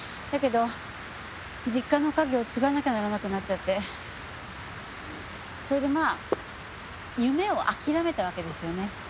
だけど実家の家業を継がなきゃならなくなっちゃってそれでまあ夢を諦めたわけですよね。